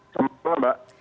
selamat malam mbak